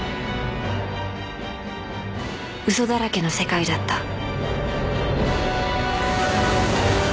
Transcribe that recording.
［嘘だらけの世界だった］